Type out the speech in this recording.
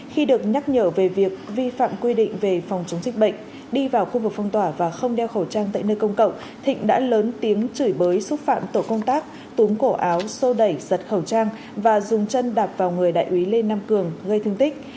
khi được nhắc nhở về việc vi phạm quy định về phòng chống dịch bệnh đi vào khu vực phong tỏa và không đeo khẩu trang tại nơi công cộng thịnh đã lớn tiếng chửi bới xúc phạm tổ công tác túm cổ áo xô đẩy giật khẩu trang và dùng chân đạp vào người đại úy lê nam cường gây thương tích